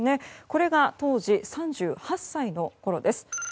これが当時３８歳のころです。